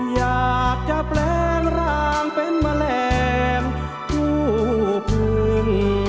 อยากจะแปลงร่างเป็นแมลงผู้พื้น